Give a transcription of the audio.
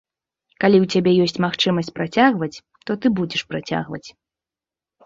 Калі ў цябе ёсць магчымасць працягваць, то ты будзеш працягваць.